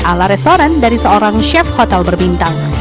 ala restoran dari seorang chef hotel berbintang